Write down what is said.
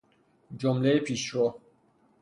جمله پیشرو